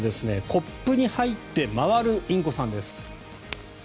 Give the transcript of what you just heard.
コップに入って回るインコさんです。